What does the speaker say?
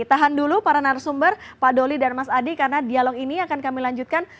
tahan dulu para narasumber pak doli dan mas adi karena dialog ini akan kami lanjutkan